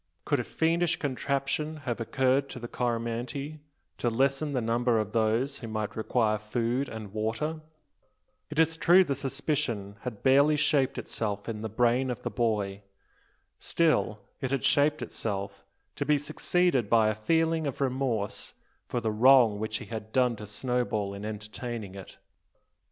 Could a fiendish conception have occurred to the Coromantee, to lessen the number of those who might require food and water? It is true the suspicion had barely shaped itself in the brain of the boy. Still, it had shaped itself, to be succeeded by a feeling of remorse for the wrong which he had done to Snowball in entertaining it.